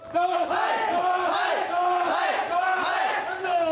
はい！